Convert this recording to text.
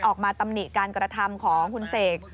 ตำหนิการกระทำของคุณเสก